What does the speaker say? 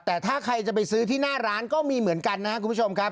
แต่ถ้าใครจะไปซื้อที่หน้าร้านก็มีเหมือนกันนะครับคุณผู้ชมครับ